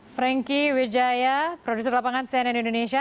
franky wijaya produser lapangan cnn indonesia